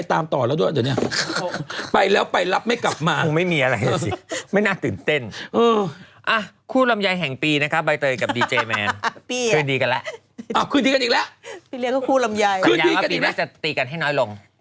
ทำไมนางเลิกดีเลิกดีปีนึงกี่รอบออนออฟเนี่ย